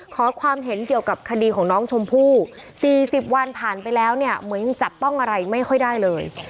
ขอความเห็นเกี่ยวกับคดีของน้องชมพู่๔๐วันผ่านไปแล้วเนี่ยเหมือนยังจับต้องอะไรไม่ค่อยได้เลย